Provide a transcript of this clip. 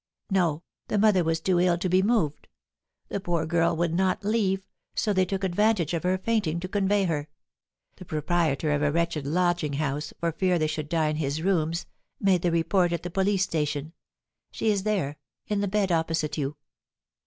"No, the mother was too ill to be moved. The poor girl would not leave, so they took advantage of her fainting to convey her. The proprietor of a wretched lodging house, for fear they should die in his rooms, made the report at the police station. She is there in the bed opposite you."